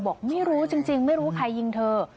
บอกไม่รู้จริงไม่รู้ใครยิงเธอ